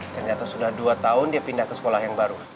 ternyata sudah dua tahun dia pindah ke sekolah yang baru